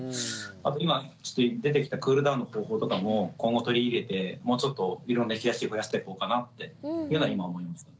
あと今ちょっと出てきたクールダウンの方法とかも今後取り入れてもうちょっといろんな引き出しを増やしていこうかなっていうのは今思いました。